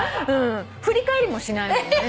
振り返りもしないもんね。